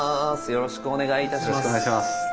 よろしくお願いします。